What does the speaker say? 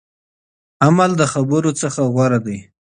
عمل د خبرو څخه غوره دی.